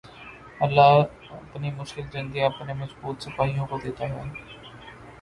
اللہ اپنی مشکل جنگیں اپنے مضبوط سپاہیوں کو دیتا ہے